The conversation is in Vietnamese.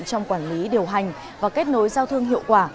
trong quản lý điều hành và kết nối giao thương hiệu quả